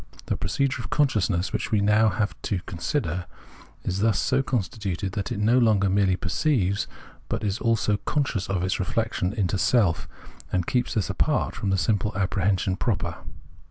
The procedure of consciousness, which we have now to consider, is thus so constituted that it no longer merely perceives, but is also conscious. of its reflection into self, and keeps this apart from the simple apprehension proper.